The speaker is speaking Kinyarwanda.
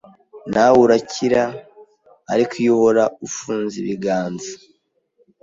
nawe urakira ariko iyo uhora ufunze ibiganza